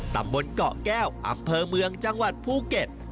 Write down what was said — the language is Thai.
ตำบลเกาะแก้วอำเภอเมืองจังหวัดภูเก็ต